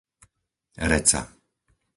Reca